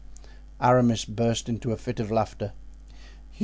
Aramis burst into a fit of laughter.